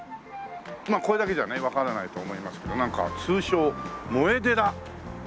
まあこれだけじゃねわからないと思いますけどなんか通称萌え寺。